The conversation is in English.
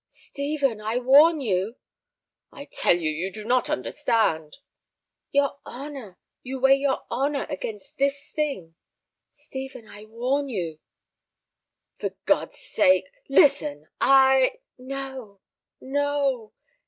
"Stephen, I warn you—" "I tell you, you do not understand—" "Your honor! You weigh your honor against this thing! Stephen, I warn you—" "For God's sake, listen: I—" "No, no.